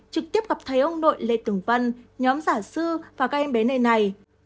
trực tiếp gặp thấy ông nội lê tưởng vân nhóm giả sư và các em bé nơi này